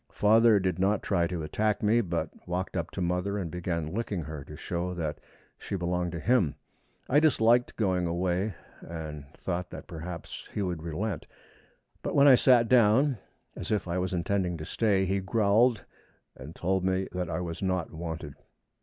Father did not try to attack me, but walked up to mother and began licking her, to show that she belonged to him. I disliked going away, and thought that perhaps he would relent; but when I sat down, as if I was intending to stay, he growled and told me that I was not wanted.